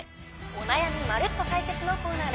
お悩みまるっと解決！のコーナーです。